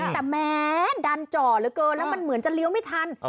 แต่แม้ดันจ่อเหลือเกินแล้วมันเหมือนจะเลี้ยวไม่ทัน